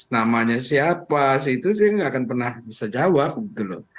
namanya siapa saya tidak akan pernah bisa jawab betul